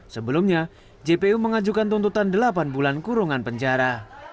sebelumnya jpu mengajukan tuntutan delapan bulan kurungan penjara